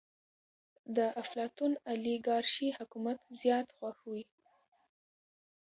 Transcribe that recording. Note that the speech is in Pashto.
د افلاطون اليګارشي حکومت زيات خوښ وي.